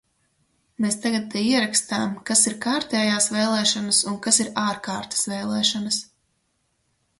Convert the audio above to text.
Mēs tagad te ierakstām, kas ir kārtējās vēlēšanas un kas ir ārkārtas vēlēšanas.